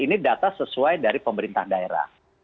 ini data sesuai dari pemerintah daerah